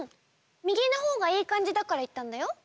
右のほうがいいかんじだからいったんだよ。